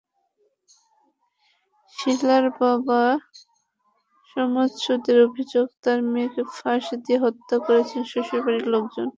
শিলার বাবা সোনামুদ্দিনের অভিযোগ, তাঁর মেয়েকে ফাঁস দিয়ে হত্যা করেছে শ্বশুরবাড়ির লোকজন।